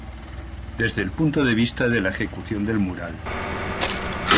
Desde el punto de vista de la ejecución del mural.